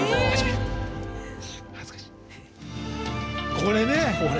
これね！